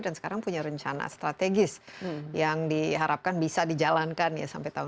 dan sekarang punya rencana strategis yang diharapkan bisa dijalankan sampai tahun dua ribu sembilan belas